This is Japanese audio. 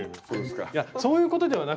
いやそういうことではなくて。